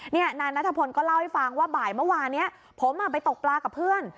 นายนัทพลก็เล่าให้ฟังว่าบ่ายเมื่อวานนี้ผมไปตกปลากับเพื่อน